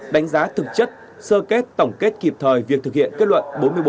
đánh giá thực chất sơ kết tổng kết kịp thời việc thực hiện kết luận bốn mươi bốn